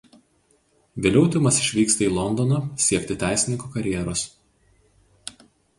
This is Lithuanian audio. Vėliau Timas išvyksta į Londoną siekti teisininko karjeros.